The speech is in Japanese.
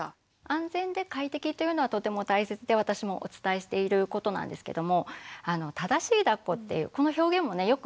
安全で快適というのはとても大切で私もお伝えしていることなんですけども「正しいだっこ」っていうこの表現もよく聞くんですね。